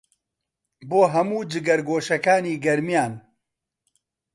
بۆ هەموو جگەرگۆشەکانی گەرمیان